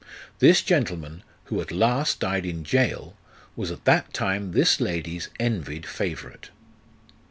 This gentleman, who at last died in gaol, was at that time this lady's envied favourite.